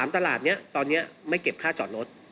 ตลาดนี้ตอนนี้ไม่เก็บค่าจอดรถ